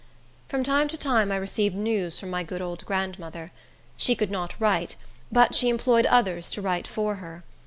From time to time I received news from my good old grandmother. She could not write; but she employed others to write for her.